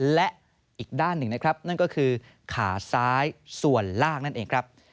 และอีกด้านหนึ่งนะครับนั่นก็คือขาซ้ายส่วนล่างนั่นเองครับ